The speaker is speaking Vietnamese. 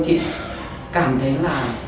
chị cảm thấy là